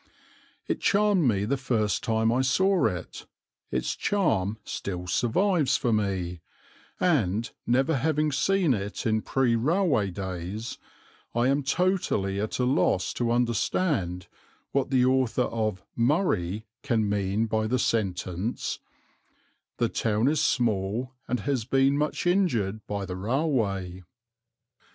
It charmed me the first time I saw it, its charm still survives for me, and, never having seen it in pre railway days, I am totally at a loss to understand what the author of "Murray" can mean by the sentence "The town is small, and has been much injured by the railway."